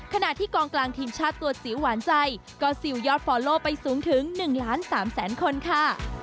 ขณะที่กองกลางทีมชาติตรวจสิวหวานใจก็สิวยอดฟอลลอไปสูงถึง๑๓๐๐๐๐๐คนค่ะ